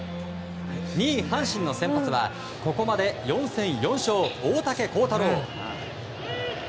２位、阪神の先発はここまで４戦４勝、大竹耕太郎。